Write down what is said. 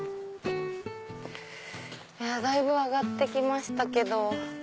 だいぶ上がって来ましたけど。